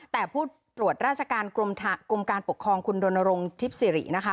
แต่ผู้ตรวจราชการกรมการปกครองคุณโดนโรงทิศิรินะคะ